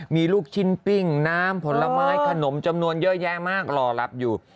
มีลูกชิ้นปิ้งน้ำผลไม้ขนมจำนวนเยอะแยะมากรอรับอยู่